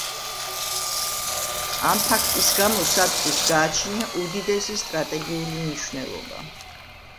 ამ ფაქტის გამო სადგურს გააჩნია უდიდესი სტრატეგიული მნიშვნელობა.